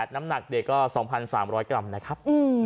น้ำหนักเด็กก็๒๓๐๐กรัมนะครับ